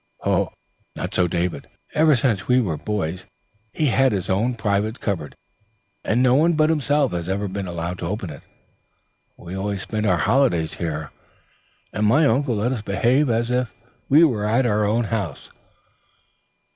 Not so David. Ever since we were boys he's had his own private cupboard, and no one but himself has ever been allowed to open it. We always spent our holidays here, and my uncle let us behave as if we were at our own house.